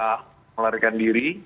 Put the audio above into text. dia khawatirkan diri